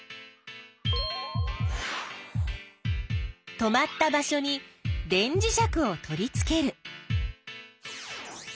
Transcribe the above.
止まった場所に電磁石を取りつける。